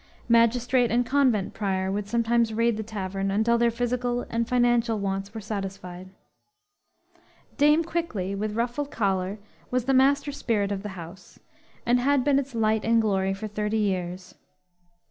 Magistrate and convent prior would sometimes raid the tavern until their physical and financial wants were satisfied. Dame Quickly, with ruffled collar, was the master spirit of the house, and had been its light and glory for thirty years.